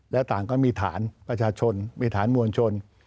และต่างก็มีฐานประชาชนมีฐานมวลชน